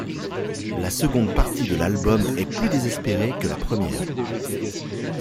La seconde partie de l'album est plus désespérée que la première.